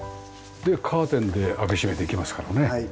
カーテンで開け閉めできますからね。